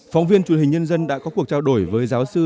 phóng viên truyền hình nhân dân đã có cuộc trao đổi với giáo sư